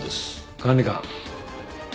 管理官。